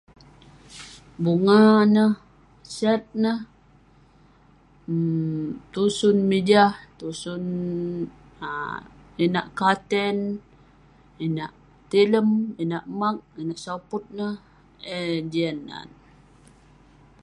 Bunga neh, sat neh, um tusun mijah, tusun um inak katen, inak tilem, inak maag, inak soput neh ; eh jian nat.